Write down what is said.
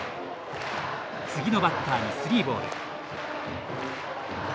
次のバッターにスリーボール。